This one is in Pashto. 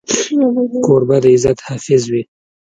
کوربه د عزت حافظ وي.